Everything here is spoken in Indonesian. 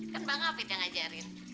kan bang afid yang ngajarin